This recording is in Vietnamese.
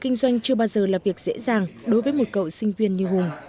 kinh doanh chưa bao giờ là việc dễ dàng đối với một cậu sinh viên như hùng